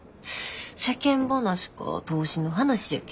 世間話か投資の話やけど。